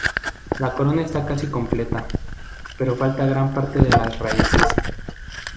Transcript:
La corona está casi completa, pero falta gran parte de las raíces.